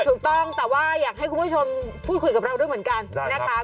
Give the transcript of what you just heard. ถูกต้องแต่ว่าอยากให้คุณผู้ชมพูดคุยกับเราด้วยเหมือนกันนะคะ